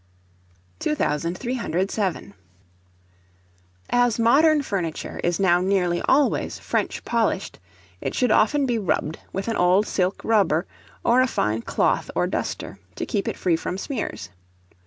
[Illustration: LONG HAIR BROOM.] 2307. As modern furniture is now nearly always French polished, it should often be rubbed with an old silk rubber, or a fine cloth or duster, to keep it free from smears.